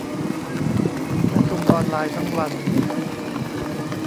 ประชุมออนไลน์ทั้งวัน